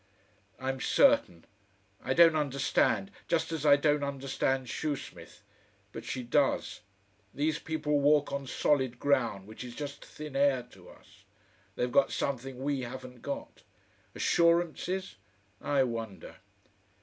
"I'm certain. I don't understand just as I don't understand Shoesmith, but she does. These people walk on solid ground which is just thin air to us. They've got something we haven't got. Assurances? I wonder."...